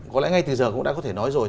có lẽ ngay từ giờ cũng đã có thể nói rồi